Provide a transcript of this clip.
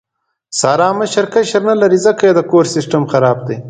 ساره مشر کشر نه لري، ځکه یې د کور سیستم خراب دی.